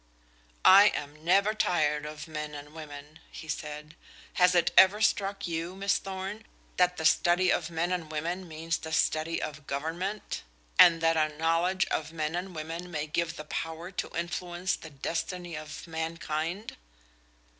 "I am never tired of men and women," he said. "Has it ever struck you, Miss Thorn, that the study of men and women means the study of government, and that a knowledge of men and women may give the power to influence the destiny of mankind?"